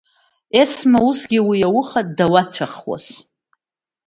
Есма усгьы уи ауха дауцәахуаз!